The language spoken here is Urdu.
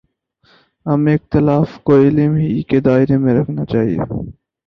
ہمیں اختلاف کو علم ہی کے دائرے میں رکھنا چاہیے۔